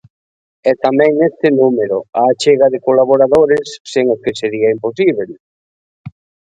E tamén neste número, a achega de colaboradores, sen os que sería imposíbel.